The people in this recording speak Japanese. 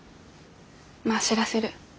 まあ知らせる。